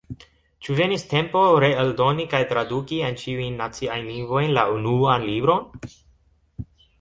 Ĉu venis tempo reeldoni kaj traduki en ĉiujn naciajn lingvojn la Unuan Libron?